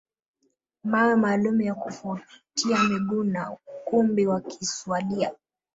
Mawe maalumu ya kufutia miguu na ukumbi wa kuswalia